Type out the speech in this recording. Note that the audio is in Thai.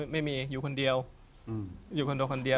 ไม่มีอยู่คนเดียวอยู่คอนโดคนเดียว